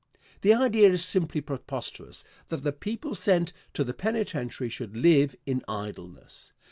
The idea is simply preposterous that the people sent to the penitentiary should live in idleness.